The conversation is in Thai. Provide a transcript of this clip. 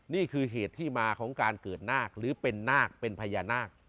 นี่คือเหตุที่มาของการเกิดนาคหรือเป็นนาคเป็นพญานาค